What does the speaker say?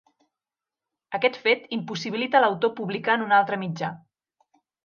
Aquest fet impossibilita l'autor publicar en un altre mitjà.